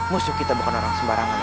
musuh kita bukan orang sembarangan